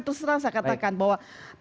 terus terang saya katakan bahwa